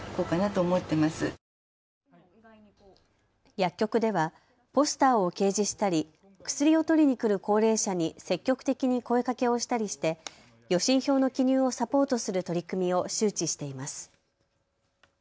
薬局ではポスターを掲示したり薬を取りに来る高齢者に積極的に声かけをしたりして予診票の記入をサポートする取り組みを周知しています。